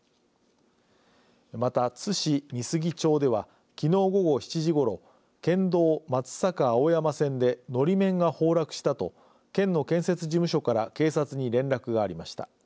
また、津市美杉町ではきのう午後７時ごろ県道松阪青山線でのり面が崩落したと県の建設事務所から警察に連絡がありました。